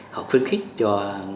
học khuyến khích cho